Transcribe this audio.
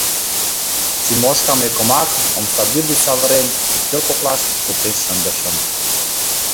— Тимошкам ӧкымак, омсадӱр, гыч савырен, ӱстел коклаш пуртен шындышым.